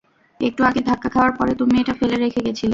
একটু আগে ধাক্কা খাওয়ার পরে, তুমি এটা ফেলে রেখে গেছিলে।